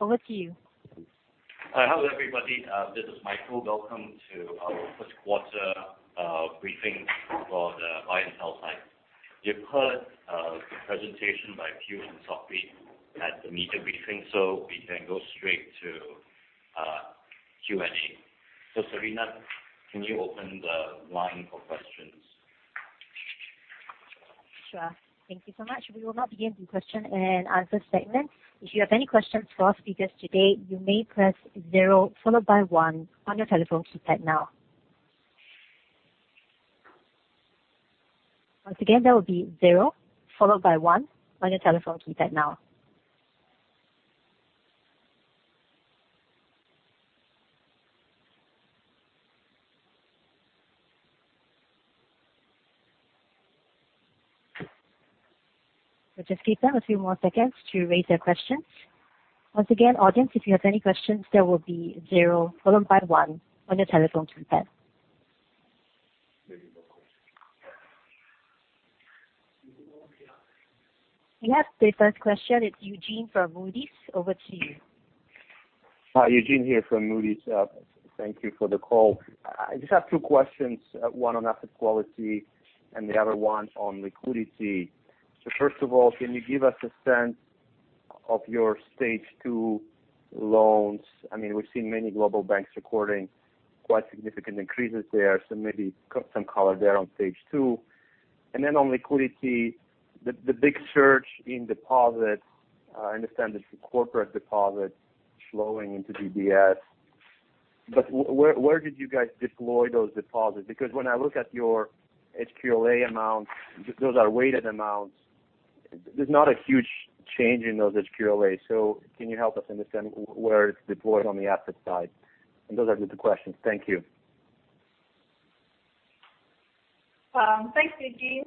Over to you. Hello, everybody. This is Michael. Welcome to our First Quarter briefing for the Lion Health Science. You've heard the presentation by Piyush and Sok Hui at the media briefing, so we can go straight to Q&A. Serena, can you open the line for questions? Sure. Thank you so much. We will now begin the question and answer segment. If you have any questions for our speakers today, you may press zero followed by one on your telephone keypad now. Once again, that will be zero followed by one on your telephone keypad now. We'll just give that a few more seconds to raise their questions. Once again, audience, if you have any questions, that will be zero followed by one on your telephone keypad. Maybe no questions. We have the first question. It's Eugene from Moody's. Over to you. Hi, Eugene here from Moody's. Thank you for the call. I just have two questions, one on asset quality and the other one on liquidity. First of all, can you give us a sense of your stage two loans? I mean, we've seen many global banks recording quite significant increases there, so maybe some color there on stage two. Then on liquidity, the big surge in deposits, I understand it's the corporate deposits flowing into DBS, but where did you guys deploy those deposits? Because when I look at your HQLA amounts, those are weighted amounts, there's not a huge change in those HQLA. Can you help us understand where it's deployed on the asset side? Those are the two questions. Thank you. Thanks, Eugene.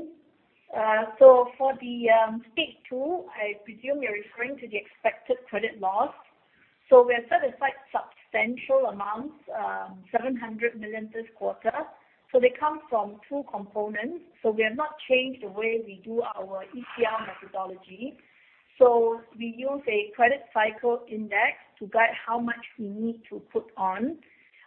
For the stage two, I presume you're referring to the expected credit loss. We have set aside substantial amounts, 700 million this quarter. They come from two components. We have not changed the way we do our ECL methodology. We use a credit cycle index to guide how much we need to put on.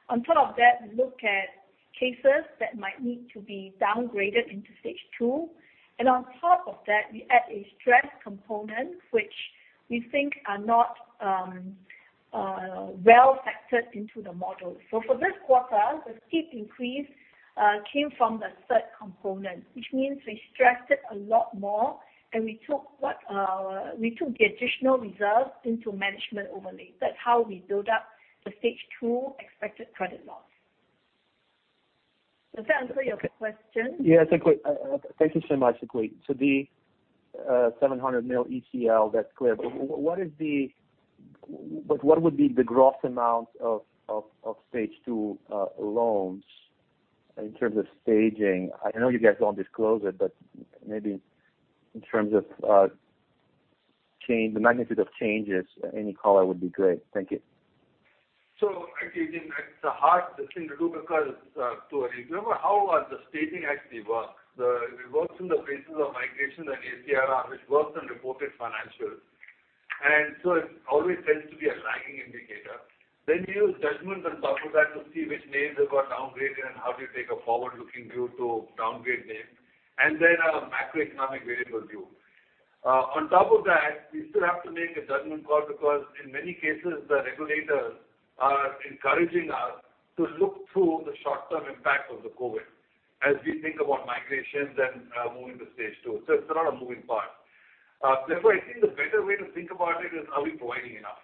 On top of that, we look at cases that might need to be downgraded into stage two. On top of that, we add a stress component, which we think are not well factored into the model. For this quarter, the steep increase came from the third component, which means we stressed it a lot more and we took the additional reserves into management overlay. That's how we build up the stage two expected credit loss. Does that answer your question? Yes, that's great. Thank you so much. That's great. The 700 million ECL, that's clear. But what would be the gross amount of stage two loans in terms of staging? I know you guys don't disclose it, but maybe in terms of change, the magnitude of changes, any color would be great. Thank you. Actually, it's a hard thing to do because to remember how the staging actually works. It works in the phases of migration and ACRR, which works on reported financials. It always tends to be a lagging indicator. You use judgments on top of that to see which names have got downgraded and how do you take a forward-looking view to downgrade names, and then a macroeconomic variable view. On top of that, we still have to make a judgment call because in many cases the regulators are encouraging us to look through the short term impact of the COVID as we think about migrations and moving to stage two. It's a lot of moving parts. Therefore, I think the better way to think about it is are we providing enough?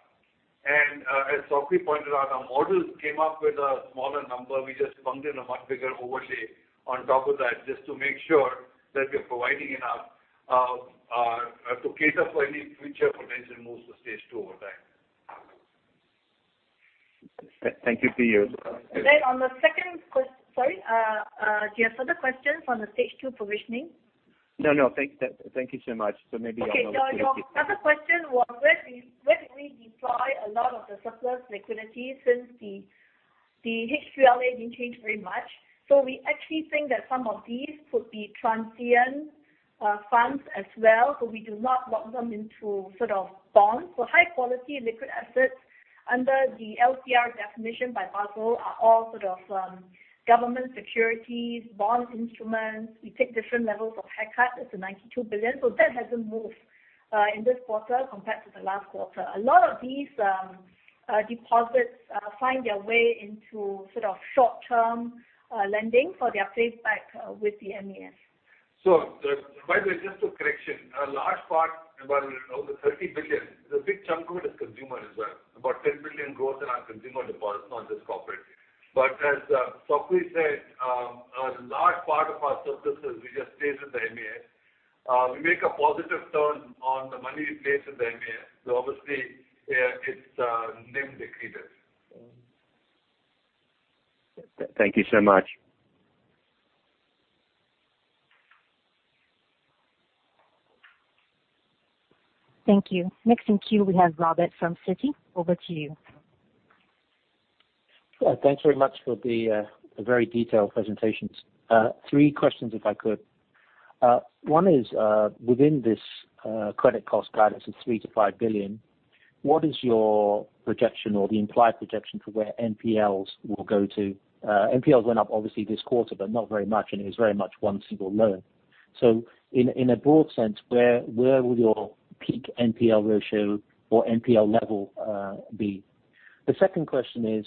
And as Chng Sok Hui pointed out, our models came up with a smaller number. We just bumped in a much bigger overlay on top of that just to make sure that we're providing enough to cater for any future potential moves to stage two over time. Thank you, Piyush. Sorry, do you have further questions on the stage two provisioning? No, thank you so much. Maybe on the liquidity. Okay. No, your other question was where do we deploy a lot of the surplus liquidity since the HQLA didn't change very much. We actually think that some of these could be transient funds as well, so we do not lock them into sort of bonds. High quality liquid assets under the LCR definition by Basel are all sort of government securities, bond instruments. We take different levels of haircuts. It's 92 billion. That hasn't moved in this quarter compared to the last quarter. A lot of these deposits find their way into sort of short term lending for placement back with the MAS. By the way, just a correction. A large part, about over 30 billion, the big chunk of it is consumer as well, about 10 billion growth in our consumer deposits, not just corporate. As Sok Hui said, a large part of our surpluses we just placed with the MAS. We make a positive return on the money we place with the MAS. Obviously, it's NIM decreases. Thank you so much. Thank you. Next in queue, we have Robert from Citi. Over to you. Sure. Thanks very much for the very detailed presentations. Three questions if I could. One is, within this credit cost guidance of 3 billion-5 billion, what is your projection or the implied projection for where NPLs will go to? NPLs went up obviously this quarter, but not very much, and it was very much one single loan. So in a broad sense, where will your peak NPL ratio or NPL level be? The second question is,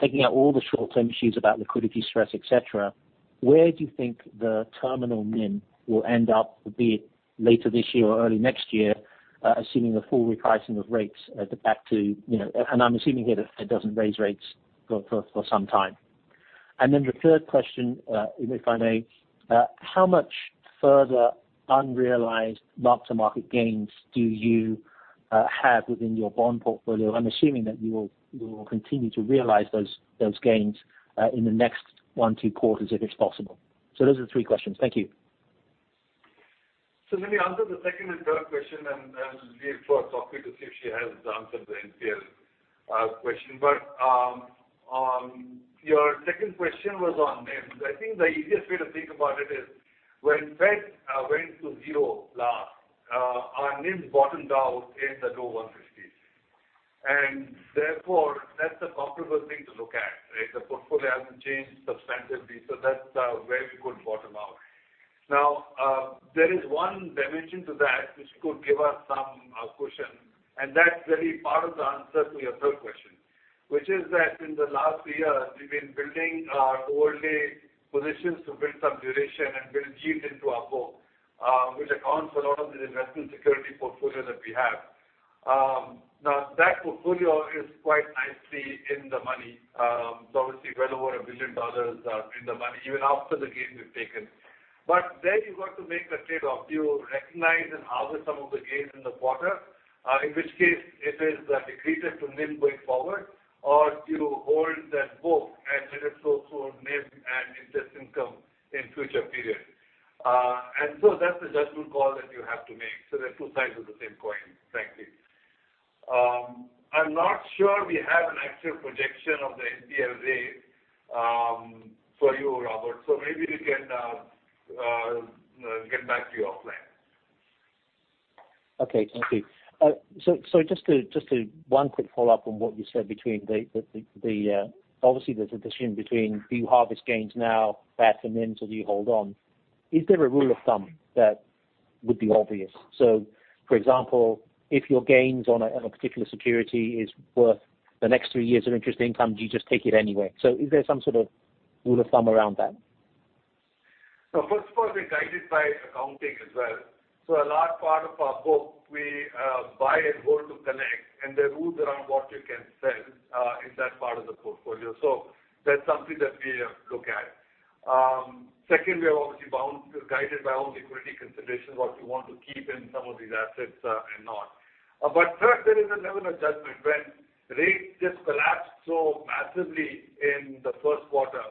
taking out all the short-term issues about liquidity stress, et cetera, where do you think the terminal NIM will end up, be it later this year or early next year, assuming a full repricing of rates at the back to, you know, and I'm assuming here that the Fed doesn't raise rates for some time. Then the third question, if I may, how much further unrealized mark-to-market gains do you have within your bond portfolio? I'm assuming that you will continue to realize those gains in the next one, two quarters if it's possible. Those are the three questions. Thank you. Let me answer the second and third question and leave for Sok Hui to see if she has the answer to the NPL question. Your second question was on NIM. I think the easiest way to think about it is when Fed went to zero last, our NIMs bottomed out in the low 1.50s%. Therefore, that's a comparable thing to look at, right? The portfolio hasn't changed substantively, so that's where we could bottom out. There is one dimension to that which could give us some cushion, and that's really part of the answer to your third question, which is that in the last three years, we've been building our overlay positions to build some duration and build yield into our book, which accounts for a lot of the investment security portfolio that we have. Now that portfolio is quite nicely in the money. It's obviously well over $1 billion in the money, even after the gains we've taken. There you've got to make the trade-off. Do you recognize and harvest some of the gains in the quarter, in which case it decreases to NIM going forward, or do you hold that book and let it flow through NIM and interest income in future periods? That's the judgment call that you have to make. They're two sides of the same coin, frankly. I'm not sure we have an actual projection of the NPL, for you, Robert, so maybe we can get back to you offline. Okay. Thank you. Just to one quick follow-up on what you said, obviously there's a decision between do you harvest gains now, fatten the NIMs or do you hold on? Is there a rule of thumb that would be obvious? For example, if your gains on a particular security is worth the next three years of interest income, do you just take it anyway? Is there some sort of rule of thumb around that? First of all, we're guided by accounting as well. A large part of our book we buy and hold to collect, and there are rules around what you can sell in that part of the portfolio. That's something that we look at. Second, we are obviously bound, guided by our own liquidity considerations, what we want to keep in some of these assets, and not. But third, there is a level of judgment. When rates just collapsed so massively in the first quarter,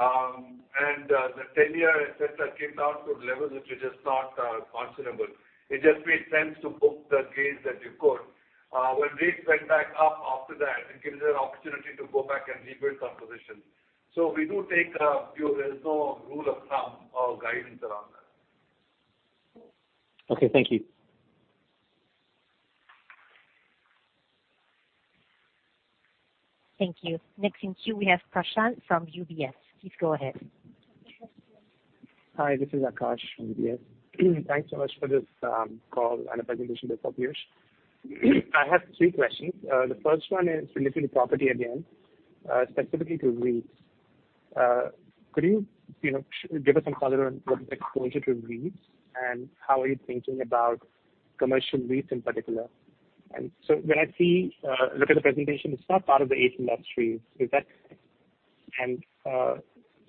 and the ten-year, et cetera, came down to levels which we just thought are considerable, it just made sense to book the gains that you could. When rates went back up after that, it gives you an opportunity to go back and rebuild some positions. We do take a view. There is no rule of thumb or guidance around that. Okay, thank you. Thank you. Next in queue we have Aakash Rawat from UBS. Please go ahead. Hi, this is Akash from UBS. Thanks so much for this call and the presentation so far. I have three questions. The first one is related to property again, specifically to REITs. Could you know, give us some color on what is the exposure to REITs and how are you thinking about commercial REITs in particular? When I look at the presentation, it's not part of the eight industries. Is that.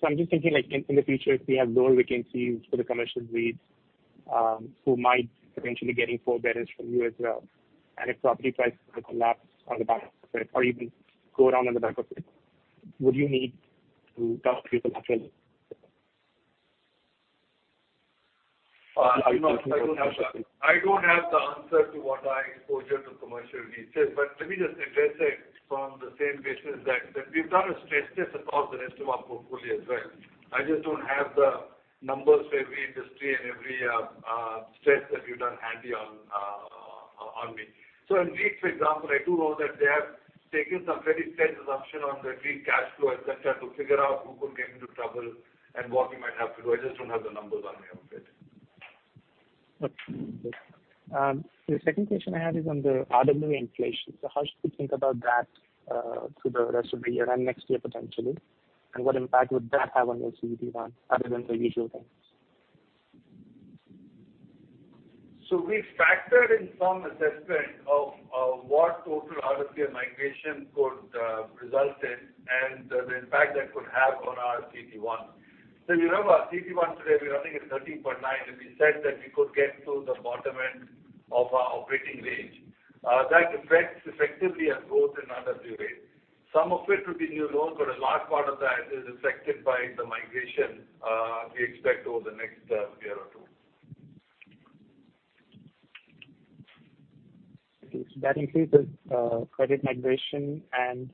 I'm just thinking like in the future if we have lower vacancies for the commercial REITs, who might potentially be getting forbearance from you as well, and if property prices could collapse on the back of it or even go down on the back of it, would you need to top up potentially? No, I don't have the answer to what our exposure to commercial REITs is. Let me just address it from the same basis that we've done a stress test across the rest of our portfolio as well. I just don't have the numbers for every industry and every stress that we've done handy on me. In REIT, for example, I do know that they have taken some very stressed assumption on the REIT cash flow, et cetera, to figure out who could get into trouble and what we might have to do. I just don't have the numbers on me on it. Okay. The second question I had is on the RWA inflation. How should we think about that, through the rest of the year and next year potentially? What impact would that have on your CET1 other than the usual things? We factored in some assessment of what total RWA migration could result in and the impact that could have on our CET1. You know our CET1 today, we're running at 13.9, and we said that we could get to the bottom end of our operating range. That affects effectively our growth in RWA. Some of it will be new loans, but a large part of that is affected by the migration we expect over the next. That increases, credit migration and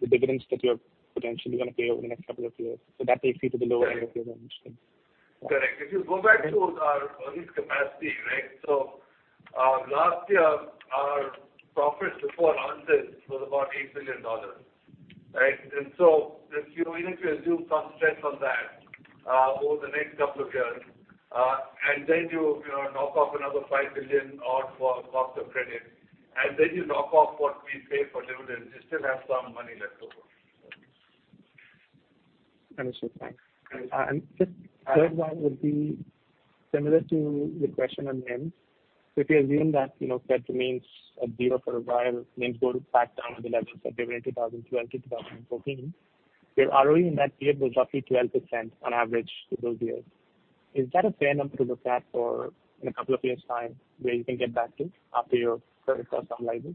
the dividends that you're potentially gonna pay over the next couple of years. That takes you to the lower end of your range then. Correct. If you go back to our earnings capacity, right? Last year, our profits before tax was about SGD 8 billion, right? If you need to assume some stress on that over the next couple of years, and then you know, knock off another 5 billion or SGD 4 billion for cost of credit, and then you knock off what we pay for dividends, you still have some money left over. Understood. Thanks. Just third one would be similar to the question at hand. If you assume that, you know, credit remains at zero for a while, means go back down to the levels that they were in 2012-2014. Your ROE in that period was roughly 12% on average through those years. Is that a fair number to look at for in a couple of years time where you can get back to after your credit loss timelines?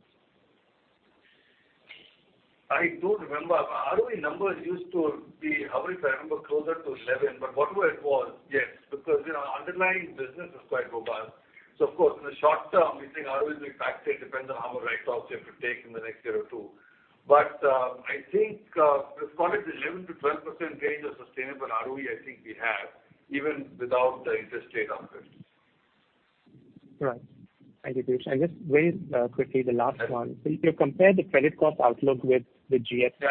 I don't remember. ROE numbers used to be, however, if I remember, closer to 11, but whatever it was, yes, because, you know, underlying business is quite robust. Of course, in the short term, we think ROE will be back there. It depends on how much write-offs you have to take in the next year or two. I think, let's call it the 11%-12% range of sustainable ROE, I think we have, even without the interest rate upwards. Right. Thank you. I guess very quickly the last one. If you compare the credit cost outlook with the GFC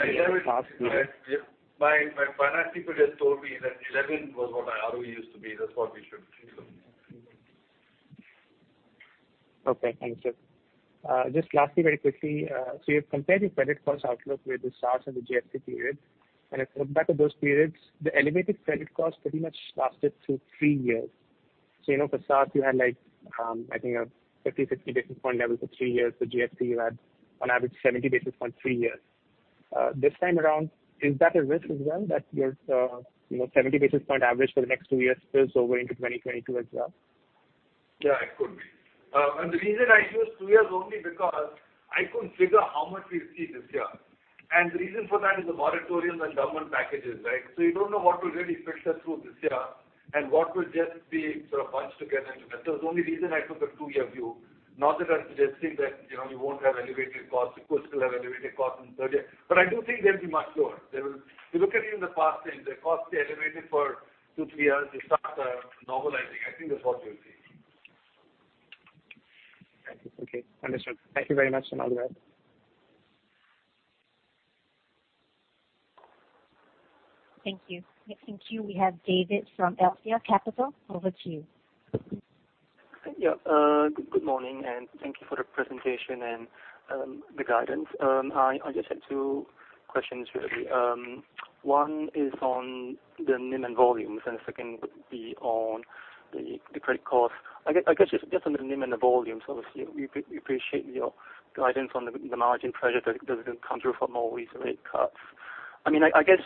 My finance people just told me that 11 was what our ROE used to be. That's what we should be looking at. Okay, thank you, sir. Just lastly, very quickly. You've compared your credit cost outlook with the SARS and the GFC period, and if you look back at those periods, the elevated credit cost pretty much lasted through three years. You know, for SARS you had like, I think a 50-60 basis point level for three years. The GFC, you had on average 70 basis point three years. This time around, is that a risk as well that there's a, you know, 70 basis point average for the next two years spills over into 2022 as well? Yeah, it could be. The reason I use two years only because I couldn't figure how much we see this year. The reason for that is the moratorium and government packages, right? You don't know what will really filter through this year and what will just be sort of bunched together. The only reason I took a two-year view, not that I'm suggesting that, you know, we won't have elevated costs. Of course, we'll have elevated costs in third year, but I do think they'll be much lower. If you look at even the past things, the costs they elevated for two, three years, they start normalizing. I think that's what we'll see. Thank you. Okay, understood. Thank you very much. I'm out of here. Thank you. Next in queue we have David from Aletheia Capital. Over to you. Yeah. Good morning, and thank you for the presentation and the guidance. I just had two questions really. One is on the NIM and volumes, and the second would be on the credit cost. I guess just on the NIM and the volumes, obviously, we appreciate your guidance on the margin pressure that will come through from all these rate cuts. I mean, I guess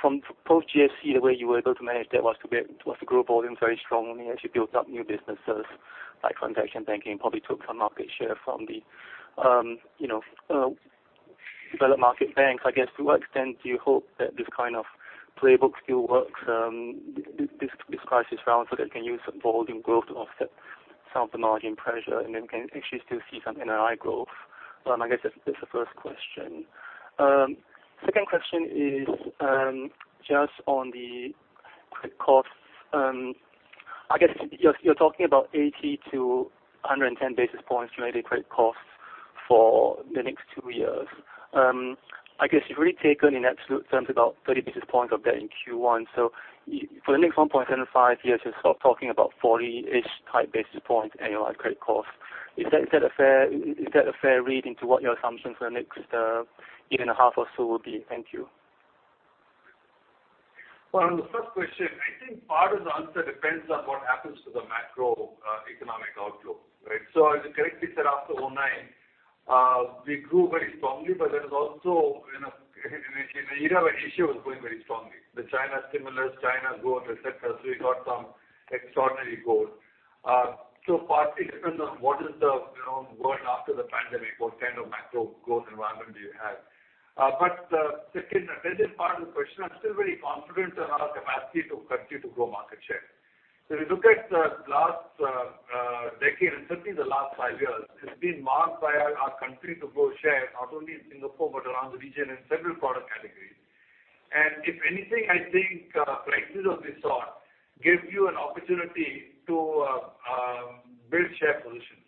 from post-GFC, the way you were able to manage that was to grow volumes very strongly as you built up new businesses like transaction banking, probably took some market share from the, you know, developed market banks. I guess to what extent do you hope that this kind of playbook still works, this crisis round so that you can use some volume growth to offset some of the margin pressure and then can actually still see some NII growth? I guess that's the first question. Second question is just on the credit costs. I guess you're talking about 80 to 110 basis points related credit costs for the next two years. I guess you've really taken in absolute terms about 30 basis points of that in Q1. For the next 1.75 years, you're sort of talking about 40-ish type basis points annual credit cost. Is that a fair read into what your assumptions for the next year and a half or so will be? Thank you. Well, on the first question, I think part of the answer depends on what happens to the macroeconomic outlook, right? As you correctly said, after 2009, we grew very strongly, but there is also, you know, in an era where Asia was growing very strongly. The China stimulus, China growth, et cetera. We got some extraordinary growth. Partly it depends on what is the, you know, world after the pandemic, what kind of macro growth environment do you have. But second, the business part of the question, I'm still very confident on our capacity to continue to grow market share. If you look at the last decade, and certainly the last five years, it's been marked by our ability to grow share, not only in Singapore, but around the region in several product categories. If anything, I think prices of this sort give you an opportunity to build share positions.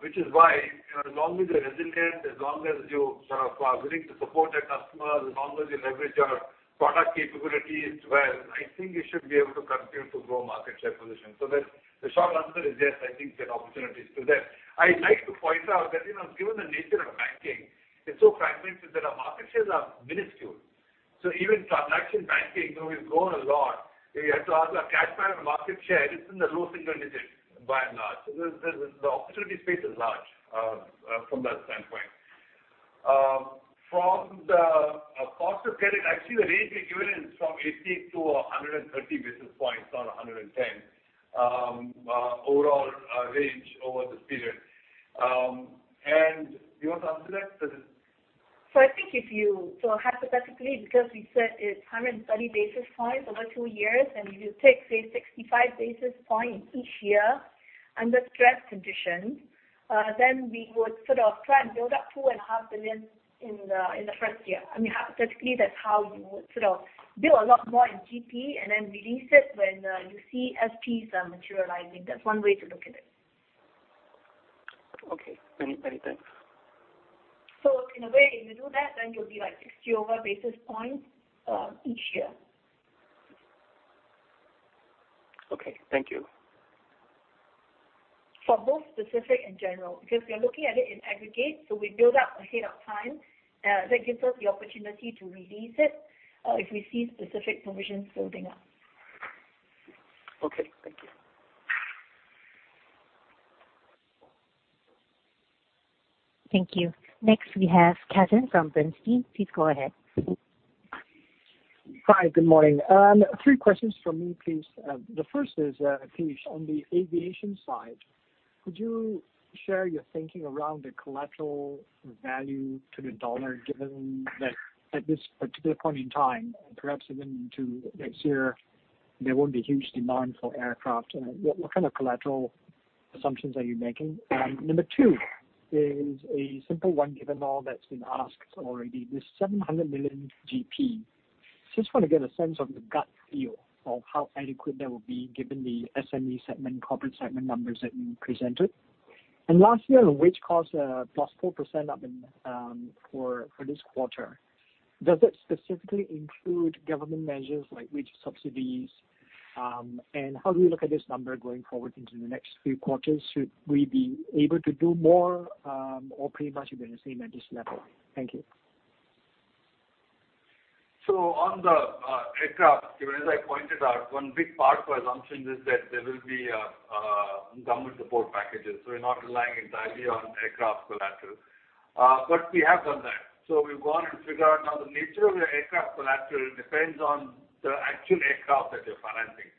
Which is why, you know, as long as you're resilient, as long as you sort of are willing to support your customers, as long as you leverage your product capabilities well, I think you should be able to continue to grow market share position. The short answer is, yes, I think there are opportunities to that. I'd like to point out that, you know, given the nature of banking, it's so fragmented that our market shares are minuscule. Even transaction banking, though we've grown a lot, if you have to ask our cash market share, it's in the low single digits by and large. The opportunity space is large from that standpoint. From the cost of credit, actually, the range we've given is from 80-130 basis points, not 110, overall range over this period. You want to answer that? I think so hypothetically, because we said it's 130 basis points over 2 years, and if you take say 65 basis points each year under stress conditions, then we would sort of try and build up 2.5 billion in the first year. I mean, hypothetically, that's how you would sort of build a lot more in GP and then release it when you see SPs are materializing. That's one way to look at it. Okay. Many, many thanks. In a way, if you do that, then you'll be like 60 over basis points each year. Okay. Thank you. For both specific and general, because we are looking at it in aggregate, so we build up ahead of time. That gives us the opportunity to release it if we see specific provisions building up. Okay. Thank you. Thank you. Next, we have Kevin from Bernstein. Please go ahead. Hi, good morning. three questions from me, please. The first is, Piyush, on the aviation side, could you share your thinking around the collateral value to the dollar, given that at this particular point in time, and perhaps even into next year, there won't be huge demand for aircraft? What kind of collateral assumptions are you making? Number two is a simple one, given all that's been asked already. This 700 million GP, just wanna get a sense of the gut feel of how adequate that will be given the SME segment, corporate segment numbers that you presented. Lastly, wage costs are +4% up in for this quarter. Does that specifically include government measures like wage subsidies? How do we look at this number going forward into the next few quarters? Should we be able to do more, or pretty much it'll be the same at this level? Thank you. On the aircraft, even as I pointed out, one big part of our assumption is that there will be government support packages. We're not relying entirely on aircraft collateral. We have done that. We've gone and figured out now the nature of the aircraft collateral depends on the actual aircraft that you're financing.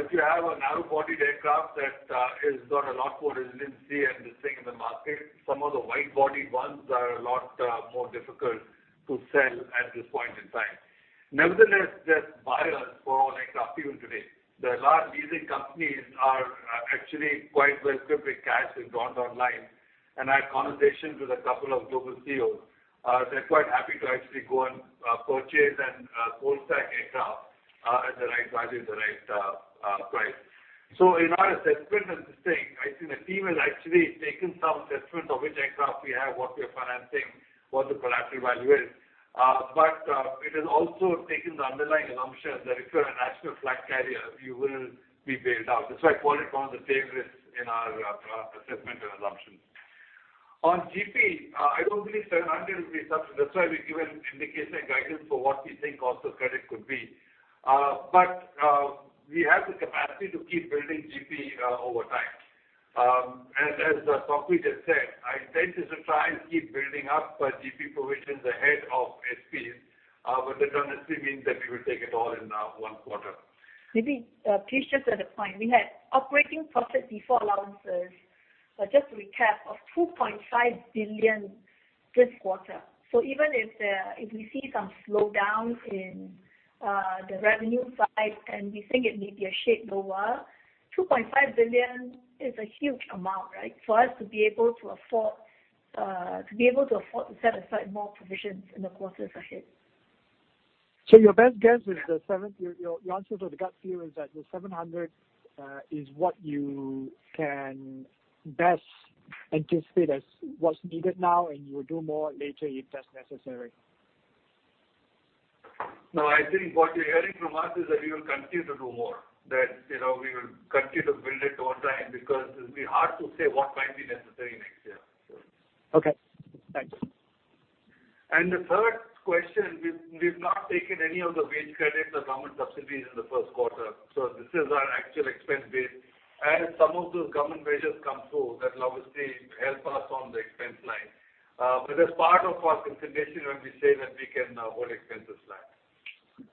If you have a narrow-bodied aircraft that has got a lot more resiliency in the thin market, some of the wide-bodied ones are a lot more difficult to sell at this point in time. Nevertheless, there's buyers for aircraft even today. The large leasing companies are actually quite well-capitalized and gone online. I had conversations with a couple of global CEOs. They're quite happy to actually go and purchase and wholesale aircraft at the right value, the right price. In our assessment of this thing, I think the team has actually taken some assessment of which aircraft we have, what we are financing, what the collateral value is. It has also taken the underlying assumption that if you're a national flag carrier, you will be bailed out. That's why I call it one of the favorites in our assessment and assumptions. On GP, I don't believe 700 will be sufficient. That's why we've given indicative guidance for what we think cost of credit could be. We have the capacity to keep building GP over time. As Sok Hui just said, our intent is to try and keep building up our GP provisions ahead of SP. That doesn't still mean that we will take it all in one quarter. Maybe, Piyush, just to the point, we had operating profit before allowances, just to recap, of 2.5 billion this quarter. Even if there, if we see some slowdowns in the revenue side, and we think it may be a shade lower, 2.5 billion is a huge amount, right? For us to be able to afford to set aside more provisions in the quarters ahead. Your best guess is the 700, your answer to the gut feel is that the 700 is what you can best anticipate as what's needed now, and you will do more later if that's necessary. No, I think what you're hearing from us is that we will continue to do more, that, you know, we will continue to build it over time because it'll be hard to say what might be necessary next year. Okay. Thanks. The third question, we've not taken any of the wage credits or government subsidies in the first quarter. This is our actual expense base. As some of those government measures come through, that'll obviously help us on the expense line. That's part of our consideration when we say that we can hold expenses line.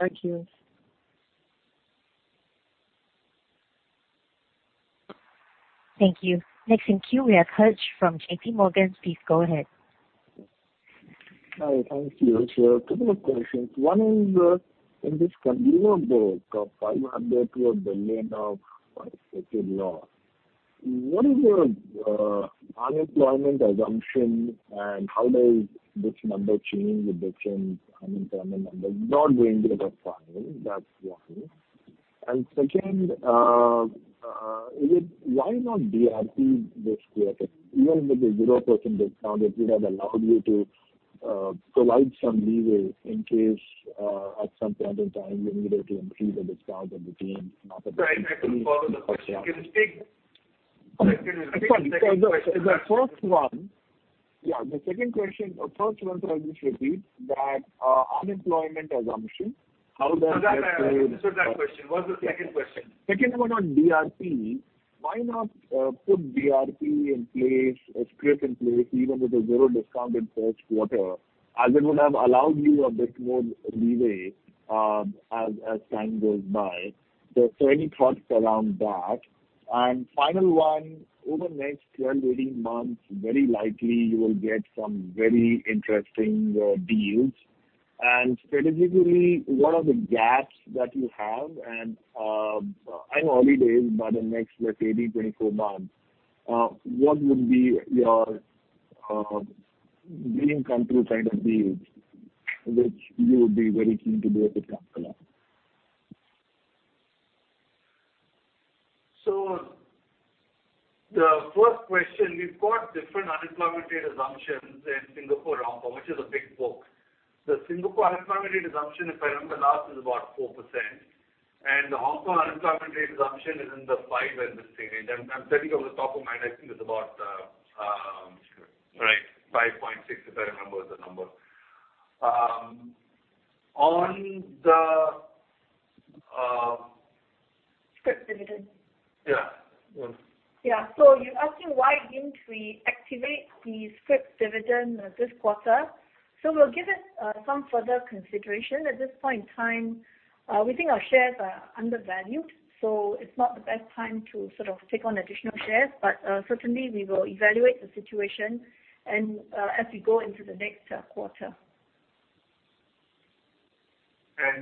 Thank you. Thank you. Next in queue, we have Harsh Modi from JPMorgan. Please go ahead. Hi. Thank you. A couple of questions. One is, in this contingency build of 500 billion of expected loss, what is your unemployment assumption and how does this number change with the change in unemployment number? Not going to the final, that's one. Second, why not DRP this quarter? Even with the 0% discount, it would have allowed you to provide some leeway in case, at some point in time you needed to increase the discount or the team not- Sorry, can I follow the question? Can you state. Sorry. The first one. Yeah, the second question or first one, I'll just repeat that, unemployment assumption, how does that change. I understood that question. What's the second question? Second one on DRP. Why not put DRP in place or scrip in place even with a zero discount in first quarter as it would have allowed you a bit more leeway as time goes by? Any thoughts around that? Final one, over the next 12, 18 months, very likely you will get some very interesting deals. Strategically, what are the gaps that you have? I know early days, but in the next, let's say, 24 months, what would be your dream come true kind of deals which you would be very keen to do at the time scale? The first question, we've got different unemployment rate assumptions in Singapore and Hong Kong, which is a big book. The Singapore unemployment rate assumption, if I remember last, is about 4%, and the Hong Kong unemployment rate assumption is in the five end of this range. I'm telling you off the top of my head, I think it's about 5.6, if I remember the number. Scrip dividend. Yeah. Yeah. You're asking, why didn't we activate the scrip dividend this quarter? We'll give it some further consideration. At this point in time, we think our shares are undervalued, so it's not the best time to sort of take on additional shares. Certainly we will evaluate the situation and as we go into the next quarter.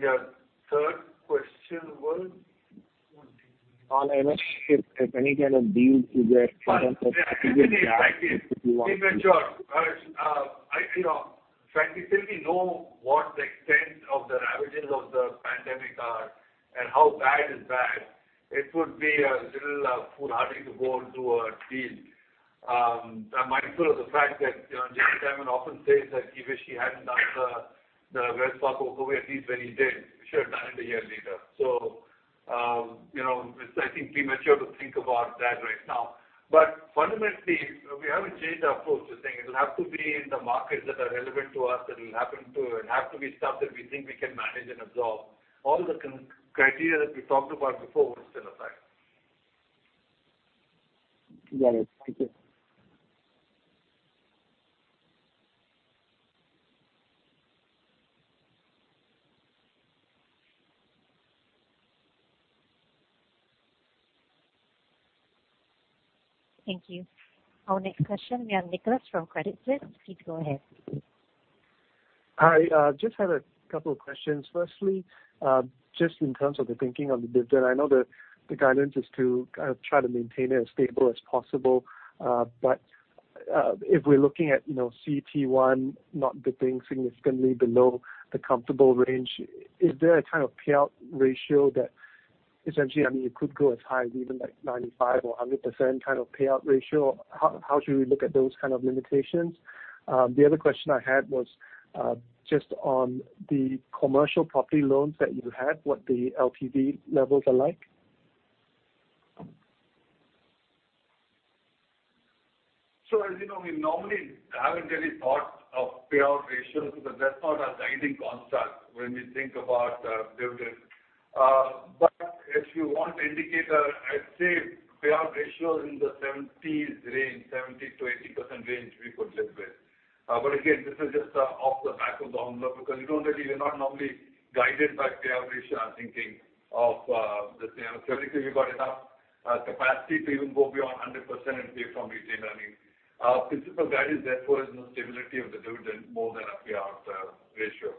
Your third question was? On M&A, if any kind of deals you get if you want to. You know, frankly, till we know what the extent of the ravages of the pandemic are and how bad is bad, it would be a little foolhardy to go and do a deal. I'm mindful of the fact that, you know, Jamie Dimon often says that he wished he hadn't done the Bear Stearns deal at least when he did. He should have done it a year later. You know, it's I think premature to think about that right now. Fundamentally, we haven't changed our approach to saying it'll have to be in the markets that are relevant to us, it'll have to be stuff that we think we can manage and absorb. All the criteria that we talked about before would still apply. Got it. Thank you. Thank you. Our next question, we have Nicholas from Credit Suisse. Please go ahead. Hi. Just had a couple of questions. Firstly, just in terms of the thinking on the dividend, I know that the guidance is to kind of try to maintain it as stable as possible. If we're looking at, you know, CET1 not dipping significantly below the comfortable range, is there a kind of payout ratio that essentially, I mean, it could go as high as even, like, 95% or 100% kind of payout ratio? How should we look at those kind of limitations? The other question I had was just on the commercial property loans that you have, what the LTV levels are like? As you know, we normally haven't really thought of payout ratios because that's not a guiding concept when we think about dividends. If you want indicator, I'd say payout ratio is in the 70s range, 70%-80% range we could live with. Again, this is just off the back of the envelope because you don't really. We're not normally guided by payout ratio thinking of, let's say, I'm sure we've got enough capacity to even go beyond 100% and pay from retained earnings. Our principal guide is therefore more stability of the dividend more than a payout ratio.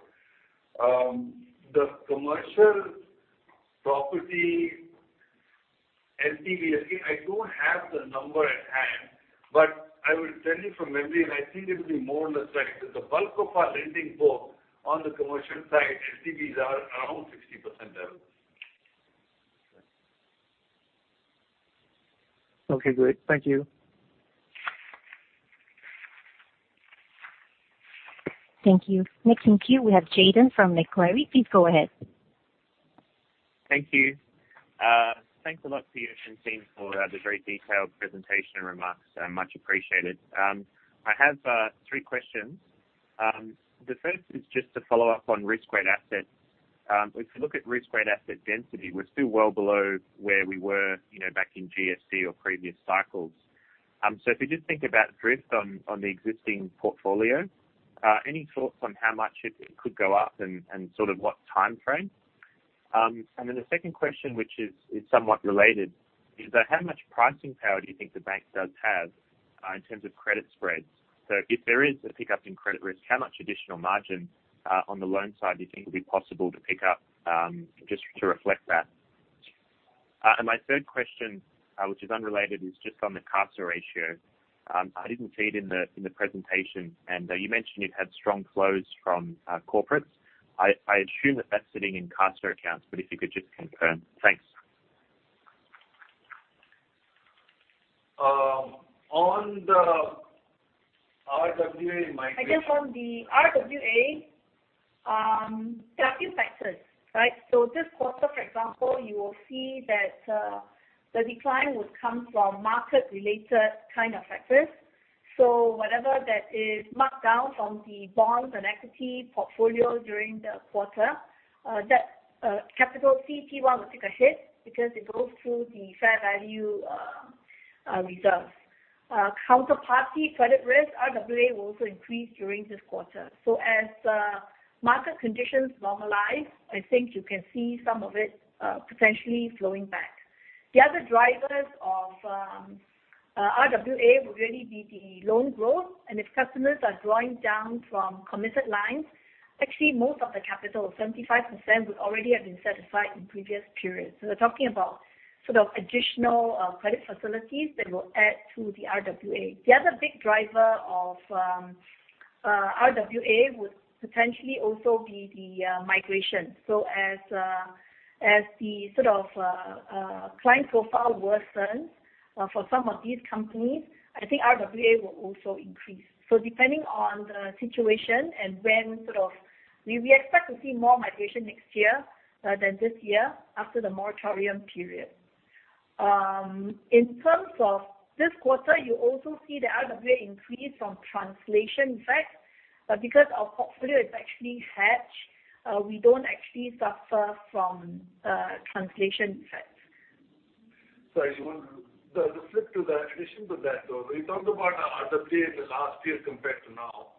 The commercial property LTV, I think I don't have the number at hand, but I will tell you from memory, and I think it'll be more on the fact that the bulk of our lending book on the commercial side, LTVs are around 60% level. Okay, great. Thank you. Thank you. Next in queue, we have Jayden from Macquarie. Please go ahead. Thank you. Thanks a lot to you and team for the very detailed presentation and remarks. Much appreciated. I have three questions. The first is just to follow up on risk-weighted assets. If you look at risk-weighted asset density, we're still well below where we were, you know, back in GFC or previous cycles. If you just think about drift on the existing portfolio, any thoughts on how much it could go up and sort of what timeframe? And then the second question, which is somewhat related, is that how much pricing power do you think the bank does have, in terms of credit spreads? If there is a pickup in credit risk, how much additional margin on the loan side do you think will be possible to pick up, just to reflect that? My third question, which is unrelated, is just on the CASA ratio. I didn't see it in the presentation. You mentioned you've had strong flows from corporates. I assume that that's sitting in CASA accounts, but if you could just confirm. Thanks. On the RWA migration. I guess on the RWA, there are a few factors, right? This quarter, for example, you will see that the decline would come from market related kind of factors. Whatever that is marked down from the bonds and equity portfolio during the quarter, that capital CET1 will take a hit because it goes through the fair value reserves. Counterparty credit risk RWA will also increase during this quarter. As market conditions normalize, I think you can see some of it potentially flowing back. The other drivers of RWA would really be the loan growth. If customers are drawing down from committed lines, actually most of the capital, 75% would already have been set aside in previous periods. We're talking about sort of additional credit facilities that will add to the RWA. The other big driver of RWA would potentially also be the migration. As the sort of client profile worsens for some of these companies, I think RWA will also increase. Depending on the situation and when we expect to see more migration next year than this year after the moratorium period. In terms of this quarter, you also see the RWA increase from translation effects. Because our portfolio is actually hedged, we don't actually suffer from translation effects. I just want the flip to that. In addition to that, though, we talked about our RWA in the last year compared to now.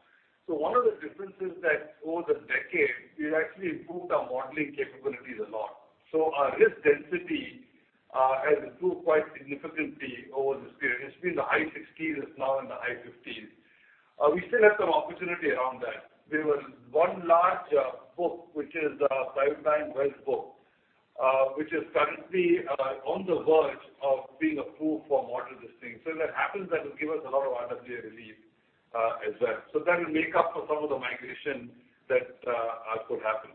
One of the differences that over the decade, we've actually improved our modeling capabilities a lot. Our risk density has improved quite significantly over this period. It's been in the high sixties. It's now in the high fifties. We still have some opportunity around that. There was one large book, which is a private bank wealth book, which is currently on the verge of being approved for model distinct. If that happens, that will give us a lot of RWA relief as well. That will make up for some of the migration that could happen.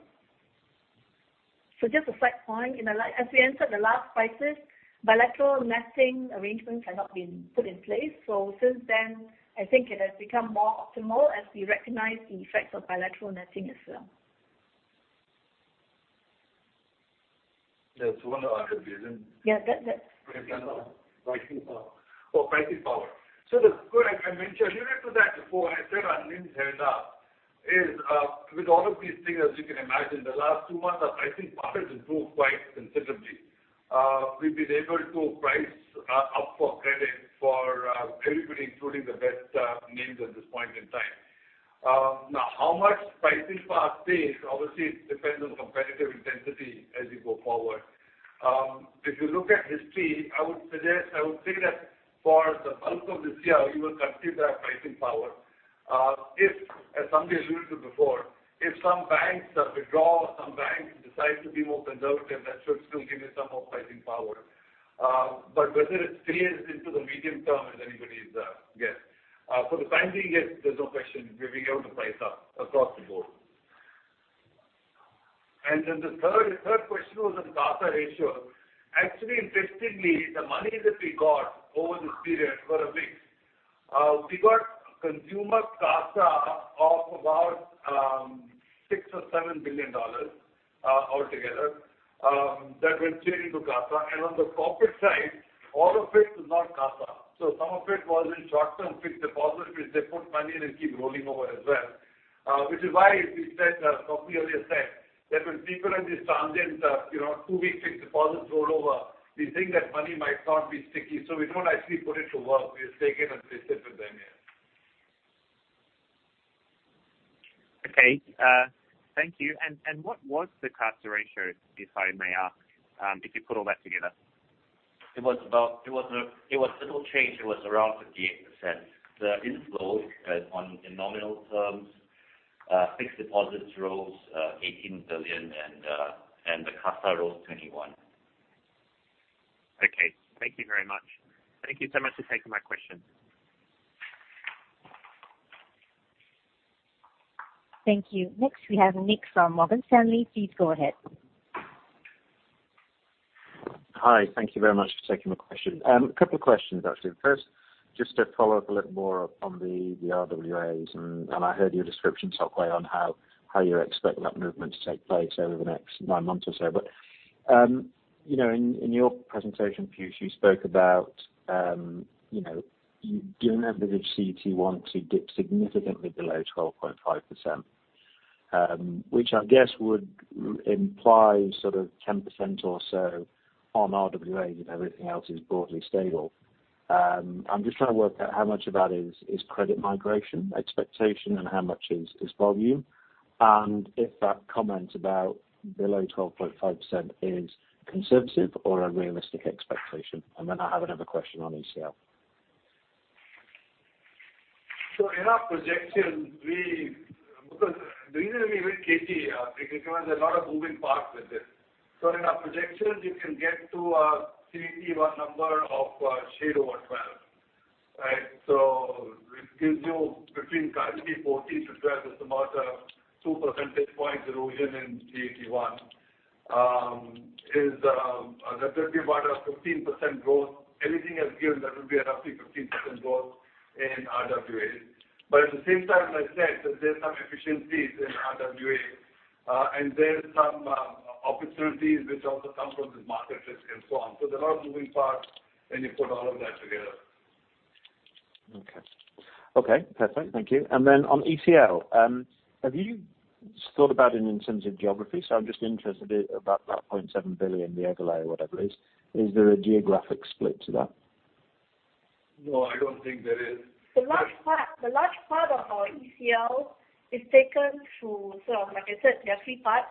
Just a side point. As we entered the last crisis, bilateral netting arrangements had not been put in place. Since then, I think it has become more optimal as we recognize the effects of bilateral netting as well. There's one other reason. Yeah, that. For example, pricing power. I mentioned, alluded to that before. I said our NIM has held up with all of these things, as you can imagine, the last two months, our pricing power has improved quite considerably. We've been able to price up for credit for everybody, including the best names at this point in time. Now how much pricing power stays, obviously it depends on competitive intensity as you go forward. If you look at history, I would think that for the bulk of this year, we will continue to have pricing power. If, as Chng Sok Hui alluded to before, if some banks withdraw or some banks decide to be more conservative, that should still give you some more pricing power. Whether it carries into the medium term is anybody's guess. For the time being, yes, there's no question we'll be able to price up across the board. The third question was on CASA ratio. Actually, interestingly, the money that we got over this period were a mix. We got consumer CASA of about 6 billion or 7 billion dollars altogether that went straight into CASA. On the corporate side, all of it was not CASA. Some of it was in short-term fixed deposits, which they put money and it keep rolling over as well. Which is why we Sok Hui earlier said that when people have these transient you know two-week fixed deposits roll over, we think that money might not be sticky. We don't actually put it to work. We just take it and we sit with them, yeah. Okay. Thank you. What was the CASA ratio, if I may ask, if you put all that together? It was a little change. It was around 58%. The inflows on nominal terms, fixed deposits rose 18 billion, and the CASA rose 21 billion. Okay. Thank you very much. Thank you so much for taking my question. Thank you. Next, we have Nick from Morgan Stanley. Please go ahead. Hi. Thank you very much for taking my question. A couple of questions, actually. First, just to follow up a little more on the RWAs. I heard your Sok Hui, on how you expect that movement to take place over the next 9 months or so. But you know, in your presentation, Piyush you spoke about you don't have the CET1 to dip significantly below 12.5%, which I guess would imply sort of 10% or so on RWA if everything else is broadly stable. I'm just trying to work out how much of that is credit migration expectation and how much is volume. If that comment about below 12.5% is conservative or a realistic expectation. Then I have another question on ECL. In our projections, the reason we went with CET1 is because there's a lot of moving parts with this. In our projections, you can get to a CET1 number of shade over 12%, right? It gives you from currently 14%-12%. That's about 2 percentage points erosion in CET1. That would be about a 15% growth. Anything else given, that would be a roughly 15% growth in RWA. At the same time, as I said, there's some efficiencies in RWA, and there's some opportunities which also come from the market risk and so on. There are moving parts, and you put all of that together. Okay. Perfect. Thank you. On ECL, have you thought about it in terms of geography? I'm just interested about that 0.7 billion, the overlay or whatever it is. Is there a geographic split to that? No, I don't think there is. The large part of our ECL is taken through sort of like I said, there are three parts.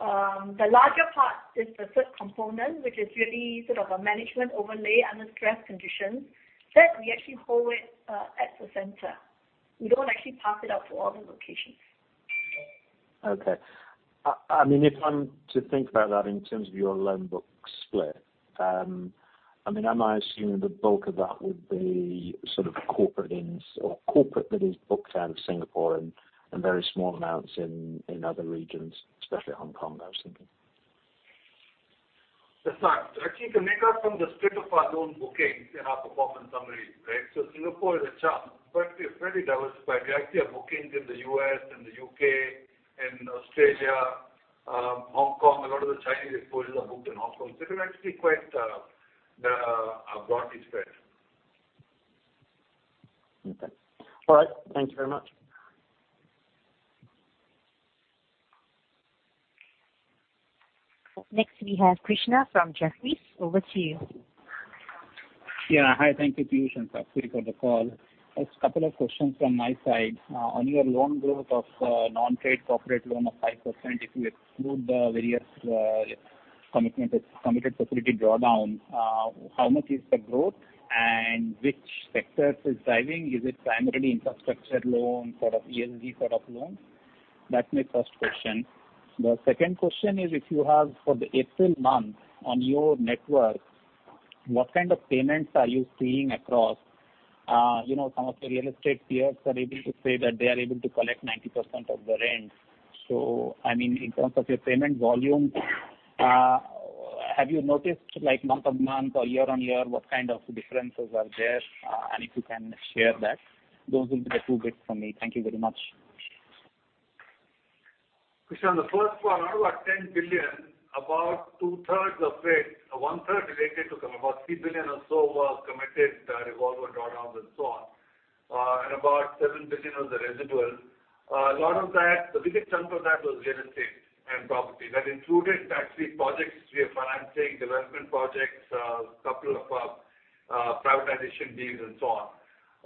The larger part is the third component, which is really sort of a management overlay under stress conditions that we actually hold it at the center. We don't actually pass it out to all the locations. Okay. I mean, if I'm to think about that in terms of your loan book split, I mean, am I assuming the bulk of that would be sort of corporate lens or corporate that is booked out of Singapore and very small amounts in other regions, especially Hong Kong, I was thinking. That's right. Actually, you can make out from the split of our loan bookings in our performance summary, right? Singapore is a chunk, but we're fairly diversified. We actually have bookings in the U.S., in the U.K., in Australia, Hong Kong. A lot of the Chinese exposures are booked in Hong Kong. They're actually quite broadly spread. Okay. All right. Thank you very much. Next, we have Krishna from Jefferies. Over to you. Yeah. Hi, thank you, Piyush, and Sok Hui for the call. Just couple of questions from my side. On your loan growth of non-trade corporate loan of 5%, if you exclude the various commitment, committed facility drawdowns, how much is the growth and which sectors is driving? Is it primarily infrastructure loan, sort of ESG sort of loans? That's my first question. The second question is if you have for the April month on your network, what kind of payments are you seeing across, you know, some of the real estate peers are able to say that they are able to collect 90% of the rent. I mean, in terms of your payment volume, have you noticed like month-on-month or year-on-year, what kind of differences are there? And if you can share that. Those will be the two bits from me. Thank you very much. Krishna, on the first one, out of our 10 billion, about two-thirds of it, one-third related to about 3 billion or so was committed, revolver drawdowns and so on. About 7 billion was the residual. A lot of that, the biggest chunk of that was real estate and property. That included actually projects we are financing, development projects, couple of privatization deals and so on.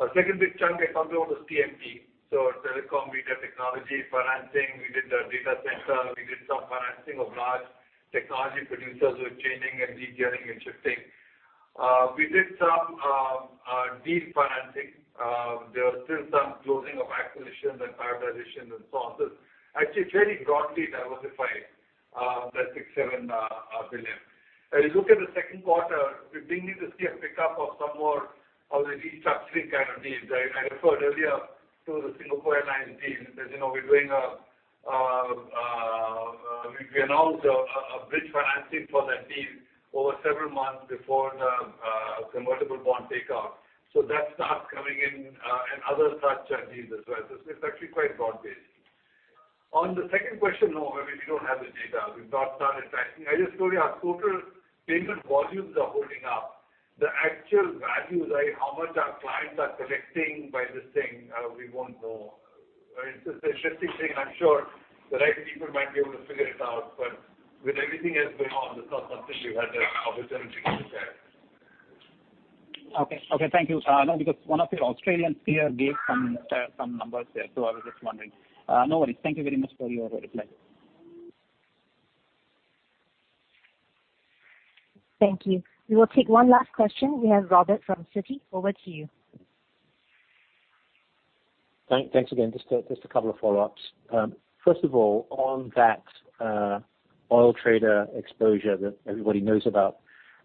Our second big chunk I talked about was TMT, so telecom, media, technology financing. We did a data center. We did some financing of large technology producers who are changing and gearing and shifting. We did some deal financing. There was still some closing of acquisitions and privatizations and so on. Actually very broadly diversified, that 6 billion-7 billion. If you look at the second quarter, we're beginning to see a pickup of some more of the restructuring kind of deals. I referred earlier to the Singapore Airlines deal. As you know, we announced a bridge financing for that deal over several months before the convertible bond takeoff. That starts coming in, and other such deals as well. It's actually quite broad-based. On the second question, no, I mean, we don't have the data. We've not started tracking. I just told you our total payment volumes are holding up. The actual values, like how much our clients are collecting by this thing, we won't know. It's an interesting thing. I'm sure the right people might be able to figure it out, but with everything else going on, it's not something we've had the opportunity to share. Okay. Okay, thank you. No, because one of your Australian peer gave some numbers there, so I was just wondering. No worries. Thank you very much for your reply. Thank you. We will take one last question. We have Robert from Citi. Over to you. Thanks again. Just a couple of follow-ups. First of all, on that oil trader exposure that everybody knows about,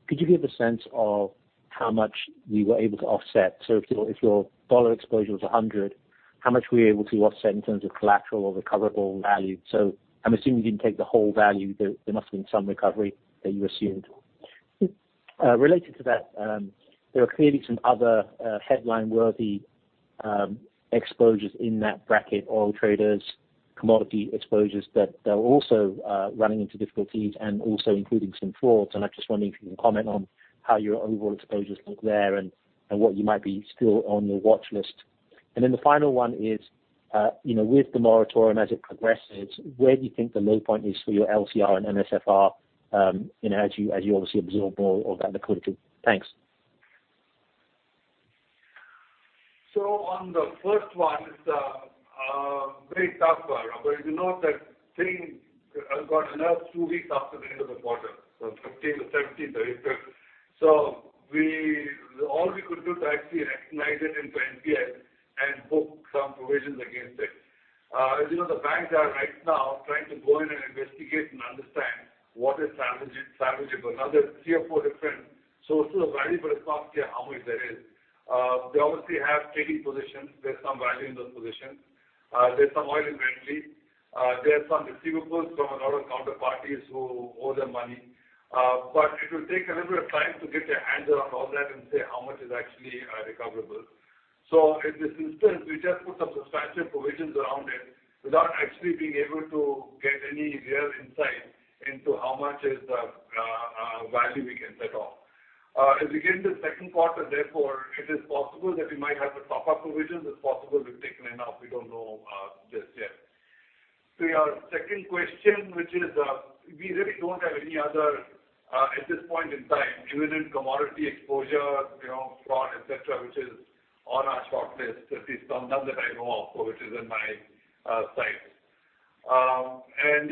could you give a sense of how much you were able to offset? So if your dollar exposure was $100, how much were you able to offset in terms of collateral or recoverable value? So I'm assuming you didn't take the whole value. There must have been some recovery that you assumed. Related to that, there are clearly some other headline-worthy exposures in that bracket, oil traders, commodity exposures that they're also running into difficulties and also including some frauds. I'm just wondering if you can comment on how your overall exposures look there and what you might be still on your watchlist. The final one is, you know, with the moratorium as it progresses, where do you think the low point is for your LCR and NSFR, you know, as you obviously absorb more of that liquidity? Thanks. On the first one, it's a very tough one, Robert. That thing got announced two weeks after the end of the quarter, so April 17th, 18th. All we could do to actually recognize it into NPL and book some provisions against it. As you know, the banks are right now trying to go in and investigate and understand what is salvageable. Now, there are three or four different sources of value, but it's not clear how much there is. They obviously have trading positions. There's some value in those positions. There's some oil and rental. There are some receivables from a lot of counterparties who owe them money. But it will take a little bit of time to get their hands around all that and say how much is actually recoverable. In this instance, we just put some substantial provisions around it without actually being able to get any real insight into how much is the value we can set off. As we get into the second quarter, therefore, it is possible that we might have to top up provisions. It's possible we've taken enough. We don't know just yet. To your second question, which is, we really don't have any other at this point in time, given commodity exposure, you know, fraud, et cetera, which is on our shortlist. At least none that I know of, or which is in my sight.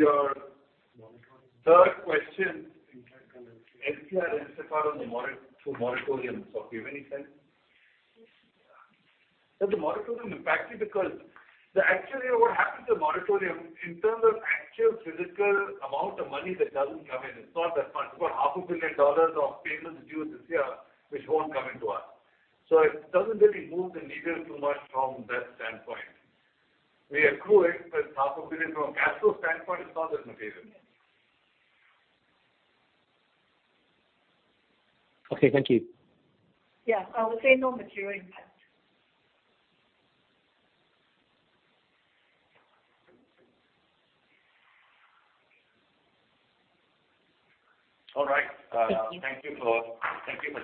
Your third question, LCR, NSFR on the moratoriums, or give any sense? The moratorium impacted because the actually what happens with the moratorium in terms of actual physical amount of money that doesn't come in, it's not that much. About half a billion dollars of payments due this year, which won't come into us. It doesn't really move the needle too much from that standpoint. We accrue it, but half a billion from a cash flow standpoint is not that material. Okay, thank you. Yeah. I would say no material impact. All right. Thank you. Thank you for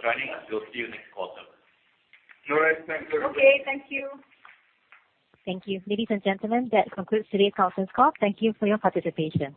joining us. We'll see you next quarter. All right. Thank you everybody. Okay, thank you. Thank you. Ladies and gentlemen, that concludes today's conference call. Thank you for your participation.